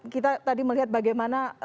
kita tadi melihat bagaimana